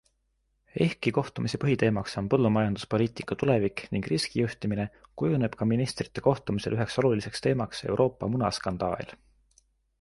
Ehkki kohtumise põhiteemaks on põllumajanduspoliitika tulevik ning riskijuhtimine, kujuneb ka ministrite kohtumisel üheks oluliseks teemaks Euroopa munaskandaal.